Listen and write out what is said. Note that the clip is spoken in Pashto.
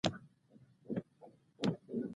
دلته باید ونه وکرو